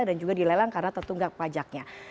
dan juga dilelang karena tertunggak pajaknya